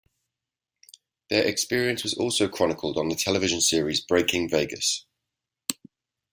Their experience was also chronicled on the television series Breaking Vegas.